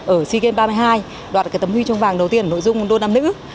ở sea games ba mươi hai đoạt tấm huy trung vàng đầu tiên nội dung đô nam nữ